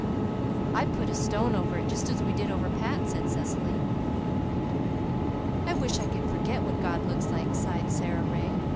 "I put a stone over it, just as we did over Pat," said Cecily. "I wish I could forget what God looks like," sighed Sara Ray.